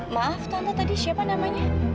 maaf tante tadi siapa namanya